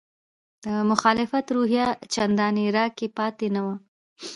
د مخالفت روحیه چندانې راکې پاتې نه وه.